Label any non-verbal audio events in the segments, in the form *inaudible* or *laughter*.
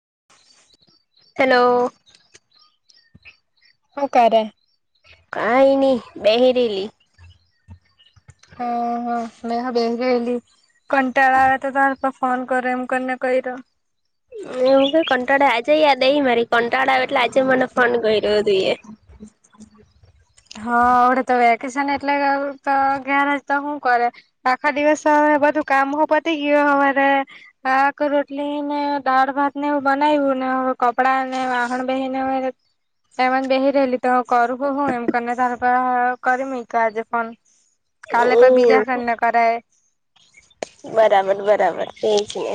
*inaudible* Hello. હું ક્યારે. કઈ નહી બેહિરેલી. હ હ મે બેહિરેલી એલી કંટારો આ યો તારતો. ફોન કરો એમ કરીને કર્યો. હું ક કંટાળા આજે યાદઈ મારી કંટાળા આવે એટલે આજે મને ફોન કર્યો તુંયે. *inaudible* હા આવડતો વેકેશન એટલે ઘેરજ તો શું કરે આખા દિવસ. બધું કામ પતી ગયું સવારે શાક રોટલી. ને દાળ. ભાત. નેએવું બનાવ્યું. ને હોય કપડા ને વાહણ બેહી રયો હોય તેમજ બેહી રહેલી તો? કરુંતો હું એમ કરને તાર પાનથી લીધો આજે ફોન. કાલે કોઈ હમ બીજા ફ્રેન્ડને કરાય. બરાબર બરાબર એ જ ને.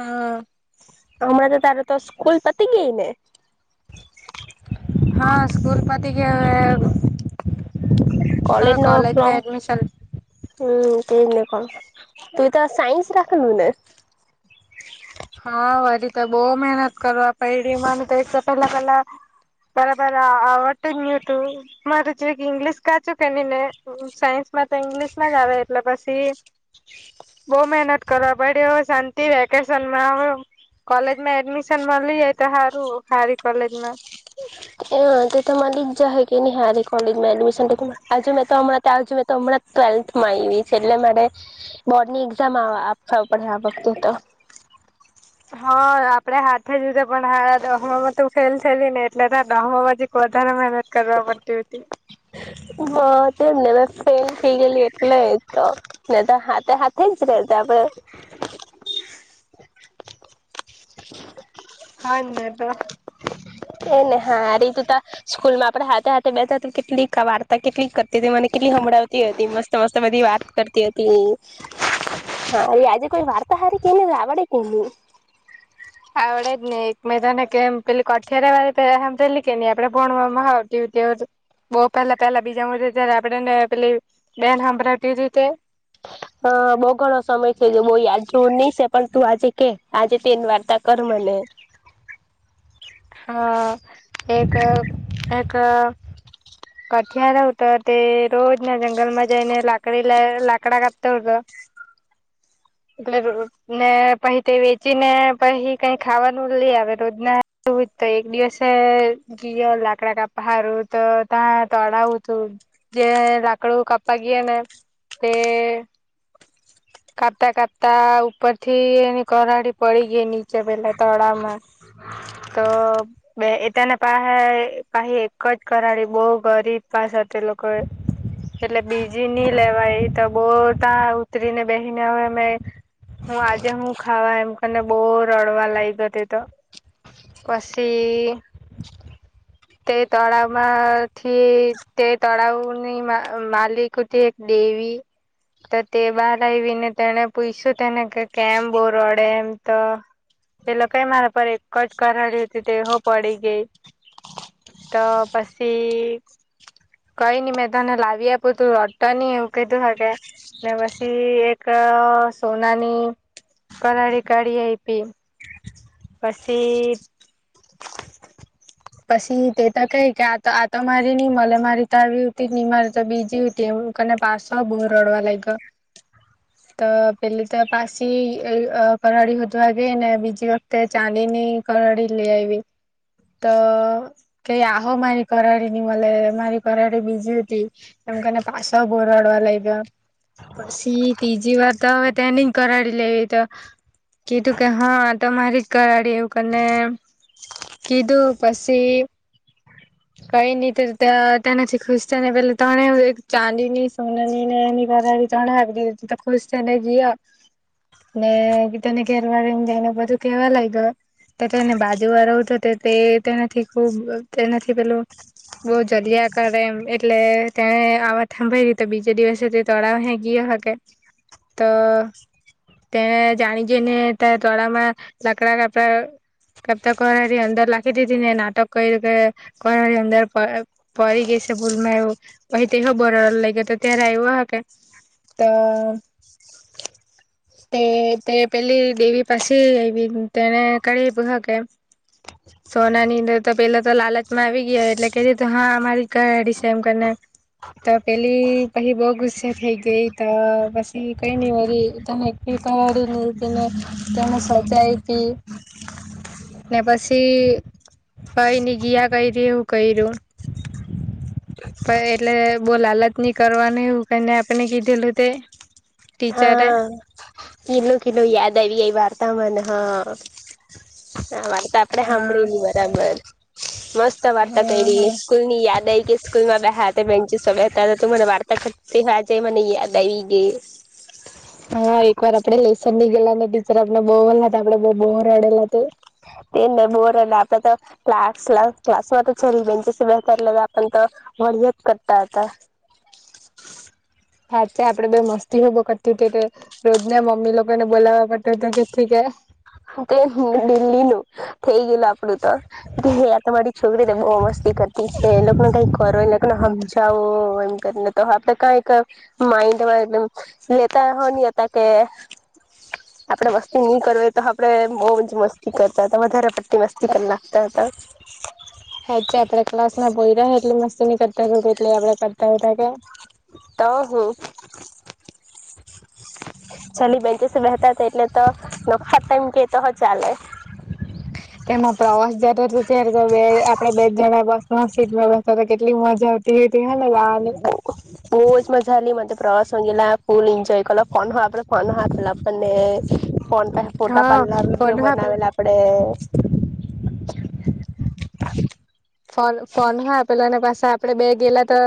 હા હમણા તો તારે તો સ્કૂલ પતી ગઇ ને. હા સ્કૂલ પતીગઈ હવે કે. કોલેજનું ફ્રોમ હમ. તેને ક તું તો સાયન્સ રાખલને હા વરી બહુ મહેનત કરવા પેઢમાં તો પેલા પેલા બરાબર આવડ જ નુ તું મારે જે ઈંગ્લિશ કાચ કે નને સાયન્સ તો ઇંગ્લિશમાં જ આવે એટલે પછી બહ મહેનત કરવા પડે શાંતિ રેકે માં હ કોલેજમાં એડમિશન મળી જાય તો સારું સારી કોલેજમાં હ તો તમા લ જ હ કે નહી હાર કોલેજ માં એડમિશન આજુ મેં તો હમં્યાંજ મેં તો હમણાં ટ્વેલ્થમાં આવી છે એટલે મારે બોર્ડ ની એક્ઝામ આપ પડે આ વખતે તો *inaudible* હા આપડે હાથે જધ પણ હા દહોમાં ત ફેલ થેલી ને એટલે દોમાં વધારે મહેનત કરવા માટેતી હતી હ તે ફેલ થઈ ગલી એટલે તો ને તો હાથે હાથે જ રે આપડે હા મે પણ *unintelligible* એને હારે તું ત સ્કૂલમાં હાથે હાથે બે કેટલી કવારતા કેટલી મને કેટલી સમભડાવતી હતી મસ્ત મસ્ત બધી વાત કરતી હતી હા એ આજે કોઈ વાર્તા હારી કેને આવડે કે આડને એક તને કેમ પેલી કઠિરે પ પે કે ન આપડે પણ બહ પેલા પેલા બીજા જારે આપણેેને પેલી બેન સાભળાવતી રીતે હ *unintelligible* હ બઉ ઘણો સમય થઈ ગયો બઉુ યાદ જોવું નહી છે પણ તું આજે કે આજે તેની વાર્તા કર મને *inaudible* અ એક એક કઠિયાર હતો તે રોજ ના જંગલમાં જઈને લાકડી લ લાકડા કાપતો હતો *inaudible* એટલે ને પછી તે વેચી ને પછી કઈ ખાવાનું લઈ આવે રોજના તું તો એક દિવસે ગયો લાકડા ક પહારું તો ત્યાં તળાવું તું જે લાકડું કાપવા ગઈ ને તે *inaudible* કાપતા કાપતા ઉપર થી એની કરાડી પડી ગઈ નીચે પેલા તળામાં તો બે એ તને પાસે પાહી એક જ કરાડી બહ ગરીબ પા સાથે તે લોકો એટલે બીજી નઈ લેવાય તો બહ ત્યાં ઉતરીને બેસી ને હવે હું આજે હું ખાવા એમ કરીને બહુ રડવા લાગ ગ હતી તો પશી એ તે તળાવમાંથી તે તળાવની માલિક અતિ એક દેવી હવે તો તે બહાર આવીને તેને પૂછ્યું તેને કે કેમ બો રડે એમ તો એટલે પેલો કે મારા પર એક કરાડી હતી તે હો પડી ગઈ તો પછી કઈ નઈ મેં તને લાવી આપ્યું તું રોડતો નહી એવું કીધું હકે ને પછી એક સોનાની કરાડી કાઢી આઈપી પછી પછી તે તો કઈ કે આ આ તો મારી નહી મલે મારી તો આવીતી હી મારી તો બીજીતી કે કને પાસ બહુ રડવા લાગ્યો *inaudible* તો પેલી તો પાછી કરાડી હોતું આ ગે ને બીજી વખતે ચાંદી ની કરાડી લે આવી. તો કેઈ આહો મારી કરાડી ની મળે મારી કરાડી બીજી હતી. તમ કને પાસા બોરડવા લાગ્યા. પછી ત્રીજી વાર તો હવે તેની કરાડી લેવી તો. કીધું કે હા તમારી કરાડી એવું કને કીધું પછી કઈ ની તે ત્યાં તેને ખુશ છે ને પે તણે ચાંદી ની સોનાની ને કરાડી ત્રણે આપી દીધી તો ખુશ થને ગીયા. ને તને ઘેરવાડીને જાયને બધું કેવા લાયગો. તો તેને બાજુ વાળો હુતો તેનાથી ખૂબ તેનાથી પેલું બવ જલિયા કરે એમ એટલે તેણે આવા થાંભાઈ રીતે બીજે દિવસે તે તળાવ હે ગીયો ભાગે. તો તેને જાણી જોઈને તળાવમાં‌ લકડા કપડા કપતા કરાડી અંદર લાખી દીધી ને નાટક કર્યું કે કરાડી અંદર પ પરી ગઈ છે ભૂલમાં એવું પહી તેખો બર લાગ્યો હતો ત્યારે આવ્યો હ તો તે તે પેલી દેવી પાસે આવી તેને કાઢી આપ્યું હો કે. સોનાની અંદર તો પેલા તો લાલચ માં આવી ગયો એટલે કે હા મારી કરાડી છે એમ કરીને. તો પેલી પછી બહુ ગુસ્સે થઈ ગઈ તો પછી કઈ નઈ વળી તને કાવાડુ લ પને તને સજાયતી. હ ને પછી ભાઈની ગયા કયરી હું કર્યું. પણ એટલે બોવ‌‌ લાલચ નહી કરવાનું એવું કરને આપણે કીધેલું તે. ટીચરે હા કિધંલુ કીધુંલુ યાદ આવી ગઈ વાત. વા મને હા વાર્તા આપણેે હા સાંભળેલી બરાબર. મસ્ત વાર્તા હા કરી હા સ્કૂલ ની યાદ આવીઈ કે સ્કૂલમાં બે હાથે બેન્ચીસ પર તા તું મને વાર્તા કરતી હજ મને યાદ આવી ગઈ. હા એકવાર આપડે લેસન ની ગેલા ને ટીચર આપણે બોલા હતા આપડે બ બોવ રડેલા હતા. તે બોર આપે તો ક્લાસ ક્લાસમાં તો છેલી બેન્ચસ પર બેહતા તો વરજત કરતા હતા. સાચા આપડે બે મસ્તી ઉભો કરતી હતી તો રોજ ના મમ્મી લોકોને બોલાવવા પડતો હતો ધેર થી કે. તે દિલ્હી નું થઇ ગયેલું આપડું તો કે આ તમારી છોકરી ને બહુ મસ્તી એ લોકોને કરતી છે એ લોકો ને સમજાવો એમ કરને આપડ કઈક મા લેતા હો ની હતા કે આપણેે વસ્તી નહી કર તો આપડે બહુ મ મસ્તી કરતા હતા વધારે પટ્ટતી મસ્તી કરી લાગતા હતા. હાચે આપડે ક્લાસ ના પોયરા એટલી મસ્તી ની કરતા એટલે આપડે કરતા હતા કે. તો હુ. બેન્ચીસ બેહતા હતા એટલે તો નફા ટાઈમ કે તો ચાલે. એમાં પ્રવાસ જતો તો ત્યારે તો બે આપડે બે જણા બસ માં સીટમાં બેસતા તો કેટલી મજા આવતી. હતી હેને ગાવાની બવજ મજા આવલી મન તો. શંગલા ફૂલ એન્જય કરલો ફન હવા ફન હો આપણને ફોન પે ફોટા હા પાડલા ફોન વિડીયો આપેલો બનાવેલા આપડે. ફોન ફોન હા પેલા એને પાસ સે આપડે બે ગેલા તો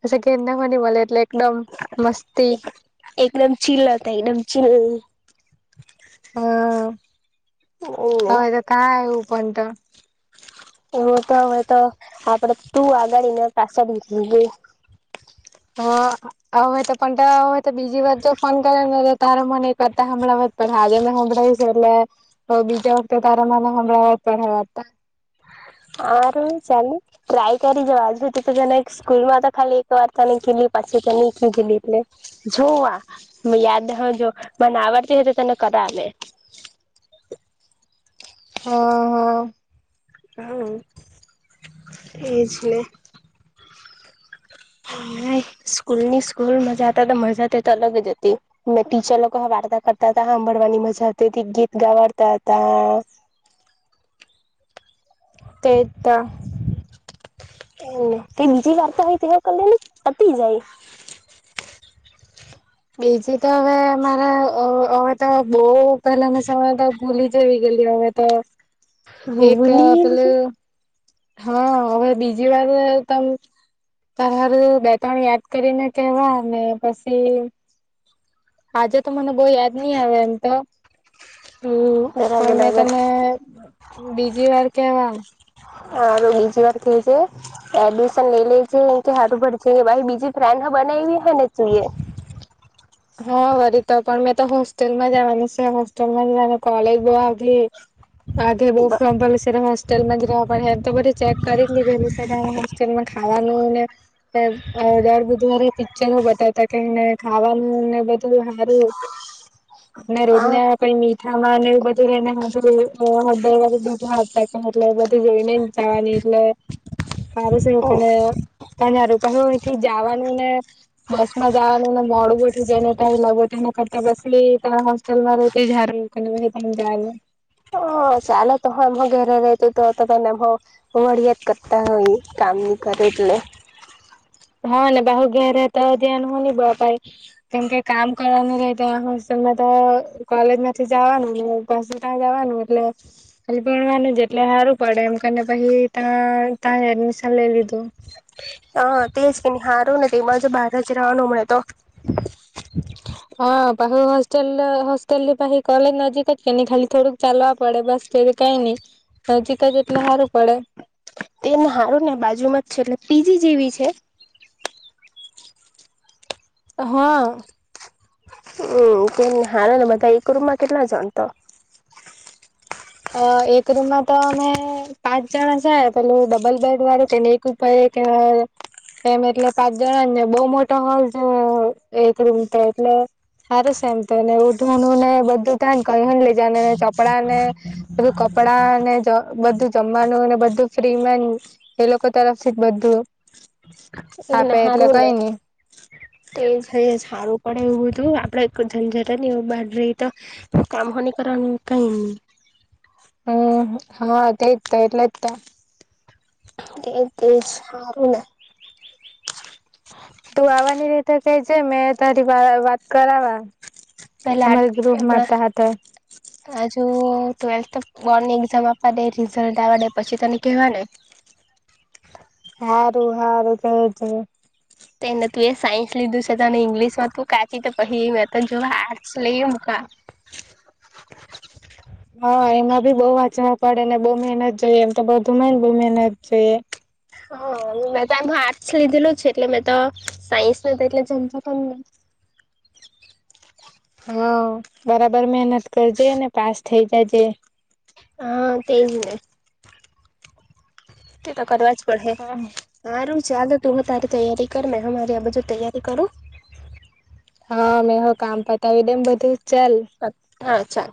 પસી કે ઘરના હો ની મલે એટલે એકદમ મસ્તી. એકદમ ચિલ્લા તા એકદમ ચીલ. હમ્મ, હવે તો કા આવું પણ તો. હું તો હવે તો આપડે તું આગાળને પછાડી *inaudible* હા, હવે તો પણ તો બીજી વાર જો ફોન કરે તાર મને કરતા હમણાં પણ આજે મેં સંભળાવી છે એટલે તો બીજા વખતે તારા મને હમણાવા પડશે. વાત આર ચાલી ટ્રાય કરી જોવા આજે તો જને સ્કૂલમાં તો ખાલી એક વાર તને ખ પછી ત કધીલી એટલે જોવા યાદ હ જો મને આવડતી હોય તો તને કરા બેન હા હા હા એજ ને સ્કૂલ ની સ્કૂલ મજાતા તો મજા તો અલગ જ હતી મેં ટીચર લોકો વાર્તા કરતા હતા. સાંભળવાની મજા આવતી હતી ગીત ગાવાડતા હતા. તે જ તો એ ક બીજી વાર્તા હોય તેવ કરલે ને પટી જાય. બીજી તો હવે અમારે હવે તો બો પેલાનો સમય તો ભૂલી જવી ગઈ ભૂલી ગયેલી હવે તો એક હમ પેલું હા, હવે બીજી વાર તમ ત હરું બે ત્રણ યાદ કરીને કેવા ને પછી આજે તો મને બહુ યાદ નહી આવે એમ તો બરાબર પણ મેં બરાબર તને બીજી વાર કેવા સારુ બીજી વાર કે જે એડમિશન લઈ લે છે, કે સારું પર છે બીજી ફ્રેન્ડ બનાવીવી ને તું એ હા, વરી તો પણ મેં તો હોસ્ટેલમાં જવાની છે હોસ્ટેલમાં જવાની કોલેજ બહ આ આગે બ ફમ પે હોસ્ટેલમાં જ રહેવા પડશે એમ તો બધું ચેક કરી લીધેલું કઈ હોસ્ટેલમાં ખાવાનુંને દર બુધવારે પિક્ચરો બતાવતા કેને ખાવાનું ને બધું હારું ને રોજ હા ના પણ ખાવાનું એવું બધું રઈને હાંજે *unintelligible* હળદળ વારુ દૂધ એટલે બધું જોઈ ને જાવાની. એટલે *unintelligible* હારું સે *unintelligible* તારે હારું તમે અહીથી જાવાનું ને બસ માં જાવાનું ને મોડું જેને ટાઈમ લાગો તેના કરતા બસલી ત હોસ્ટેલમાં રેતે જ હારું *unintelligible* હ હ ચાલો તો હ એમ ઘેરે રતું તો તમે એ વળિયાત કરતા હોય કામની કરે એટલે હ ને બાહુ ઘેર રેતા હોય તો ધ્યાન હો ન બ અપાય કેમ કે કામ કરવાનું રહે ત્યાં હોસ્ટેલમાં તો કોલેજ માંથી જાવાનું ને પસી ત્યા જાવાનું એટલે ખાલી ભણવાનું જ એટલે હારું પડે એમને પછી ત્યાં તા એડમિશન લઈ લીધું. હા તેજ કે હારું ને તે તેમાં જો બહાર જ રવાનું મળે તો હા બાહું હોસ્ટેલ હોસ્ટેલ ભહી કલેજ નજીક કે ન ખાલી થોડક ચાલવા પડ બસ તે તો કાઈ ની. નજીક જ એટલે હારું પડે. તેમ હાને બાજુમાં જ છે એટલે પી જી જેવી છે. હા. હમ, કે હાને બધા એક રૂમમાં કેટલા જ તો? અ એક રૂમમાં તો અમે પાંચ જણા જાય પેલું ડબલ બેડ વાળું તેને એક કે એમ એટલે પાંચ જણા ને બઉ મોટા હોલ જો એક રૂમ તો એટલે સારૂ છે એમ તો ને ઓઢવાનું ને બધું તન કઈ હન લઈ જવાનું ને ચપડા ને બધું કપડા ને જ બધું જમવાનું અને બધું ફ્રીમાં એ લોકો તરફથી બધું. એને આપે એટલે હારું ને કઈ નઈ તો એ જઈ હારું. પડે એવું હતું આપડે એક જનજનટ જ ની બાર રહી તો કામહો નઈ કરવાનું કઈ *unintelligible* હમ હા તેજ તો એટલે જ તો. તે તેજ હારુને તું આવવાની રેતે કેહ જે મેં તારી વાત કરાવા પેલા અમારી ગૃહ આ માતા હાથે *unintelligible* અજુ ટ્વેલ્થ બોર્ડની એક્ઝામ આપવા દે રિઝલ્ટ આવવા દે પછી તને કેવા ને હારું હારું કે જે તો એને તું એ સાયન્સ લીધું છે તો અને ઈંગ્લિશમાં તું કાચી તો કહી મે તો જો આર્ટસ લઈ મકા *unintelligible* હા એમાં બી બહુ વાંચવા પડે ને બહુ મહેનત જોઈએ એમ તો બધુંમાંય ને બહુ મહેનત જોઈએ. હ મેં તો એમાં આર્ટસ લીધેલું છે એટલે મેં તો સાયન્સ નઈ તો એટલે ઝંઝટ જ નહી. *unintelligible* હા બરાબર મહેનત કરજે ને પાસ થઇ જાજે. હા તે જને. તે તો કરવા જ પડ હે હા હારું ચાલો તું તારી તૈયારી કર મેં મારી આ બજુ તૈયારી કરું? હા મેં હ કામ પતાવી દેમ બધું. ચાલ *unintelligible* હા ચાલ